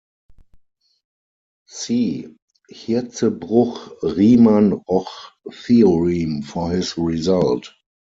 See Hirzebruch-Riemann-Roch theorem for his result.